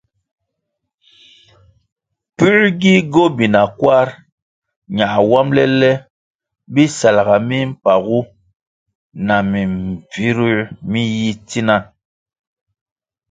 Pue gi gobina kwarʼ na wambʼle le bisalʼga mimpagu na mimbvire mi yi tsina?